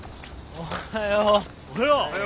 おはよう！